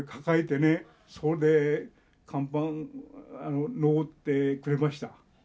それで甲板上ってくれました。